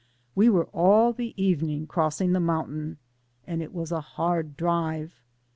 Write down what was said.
231 We were all the evening crossing the mountain, and it was a hard drive.